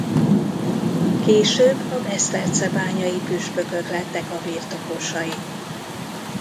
Később a beszterczebányai püspökök lettek a birtokosai.